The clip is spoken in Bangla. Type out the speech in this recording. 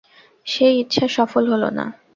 সেই ইচ্ছা সফল হল না।